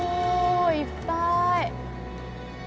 いっぱい！